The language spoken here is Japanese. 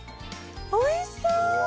おいしそう！